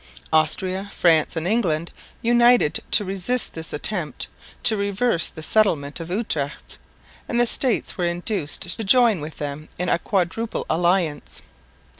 Austria, France and England united to resist this attempt to reverse the settlement of Utrecht, and the States were induced to join with them in a quadruple alliance.